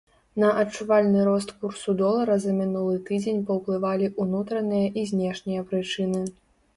На адчувальны рост курсу долара за мінулы тыдзень паўплывалі ўнутраныя і знешнія прычыны.